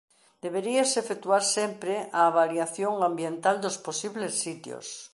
Deberíase efectuar sempre a avaliación ambiental dos posibles sitios.